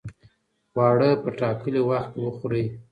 خواړه په ټاکلي وخت کې وخورئ.